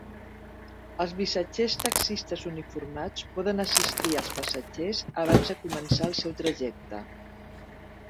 Els missatgers taxistes uniformats poden assistir als passatgers abans de començar el seu trajecte.